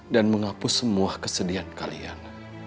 dan menghapus semua kesedihan kalian